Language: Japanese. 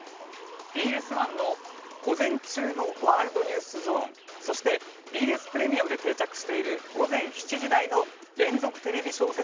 ＢＳ１の午前中のワールドニュースゾーンそしてＢＳプレミアムで定着している午前７時台の連続テレビ小説